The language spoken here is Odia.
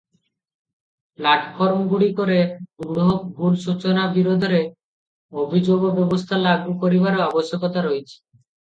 ପ୍ଲାଟଫର୍ମଗୁଡ଼ିକରେ ଦୃଢ଼ ଭୁଲ ସୂଚନା ବିରୋଧରେ ଅଭିଯୋଗ ବ୍ୟବସ୍ଥା ଲାଗୁ କରିବାର ଆବଶ୍ୟକତା ରହିଛି ।